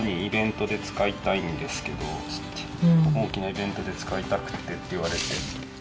「大きなイベントで使いたくって」って言われて。